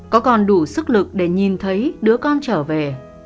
có còn đủ sức lực để nhìn thấy đứa con trở về